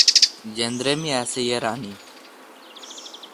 جندرے می اسی یاران این۔